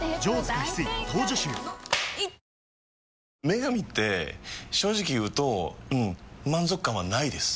「麺神」って正直言うとうん満足感はないです。